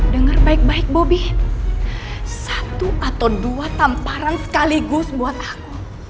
dengar baik baik bobi satu atau dua tamparan sekaligus buat aku